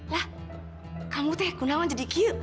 lah kamu teh gunawan jadi giu